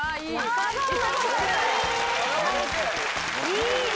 いいね！